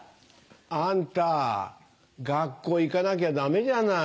あんた学校行かなきゃダメじゃない。